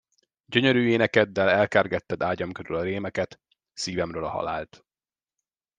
Gyönyörű énekeddel elkergetted ágyam körül a rémeket, szívemről a halált.